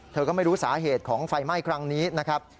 เธอก็ไม่รู้สาเหตุของไฟไหม้ครั้งนี้นะครับ